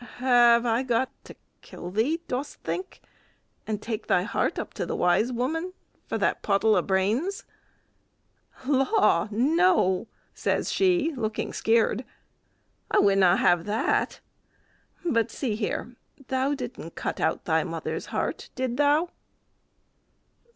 "Have I got to kill thee, dost think, and take thy heart up to the wise woman for that pottle o' brains?" "Law, no!" says she, looking skeered, "I winna have that. But see here; thou didn't cut out thy mother's heart, did thou?"